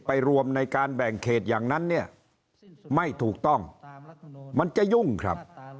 รวมในการแบ่งเขตอย่างนั้นเนี่ยไม่ถูกต้องมันจะยุ่งครับ